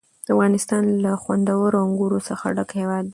افغانستان له خوندورو انګورو څخه ډک هېواد دی.